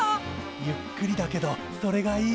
ゆっくりだけどそれがいい。